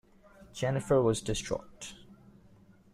Jennifer was distraught.